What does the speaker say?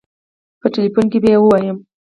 په ټيليفون کې به يې ووايم.